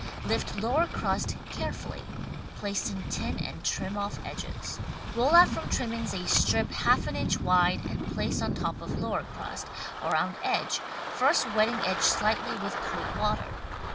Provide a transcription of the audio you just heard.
Lift lower crust carefully, place in tin and trim off edges. Roll out from trimmings a strip half an inch wide and place on top of lower crust, around edge, first wetting edge slightly with cold water.